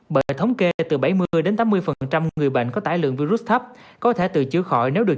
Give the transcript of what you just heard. bởi thống kê từ bảy mươi tám mươi người bệnh có tải lượng virus thấp có thể từ chữa khỏi nếu được